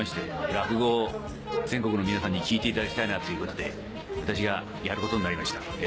落語を全国の皆さんに聞いていただきたいなということで私がやることになりました。